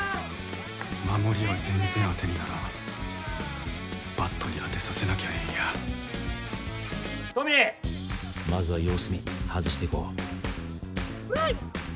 守りは全然あてにならんバットに当てさせなきゃええんやトミーまずは様子見外していこうプレー！